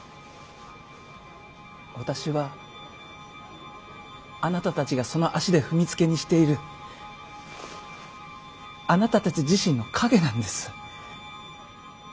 私はあなたたちがその足で踏みつけにしているあなたたち自身の影なんです。